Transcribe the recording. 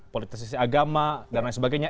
politik sisi agama dan lain sebagainya